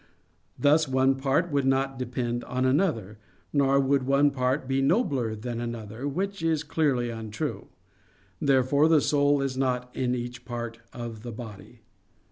Thus one part would not depend on another; nor would one part be nobler than another; which is clearly untrue. Therefore the soul is not in each part of the body.